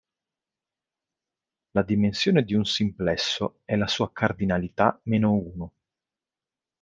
La dimensione di un simplesso è la sua cardinalità meno uno.